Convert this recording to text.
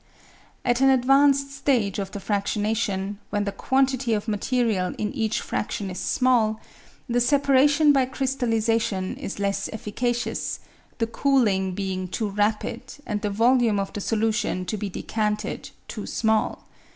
At an advanced stage of the fractionation, when the quantity of material in each fraction is small, the separation by crystallisation is less efficacious, the cooling being too rapid and the volume of the solution to be. decanted too small.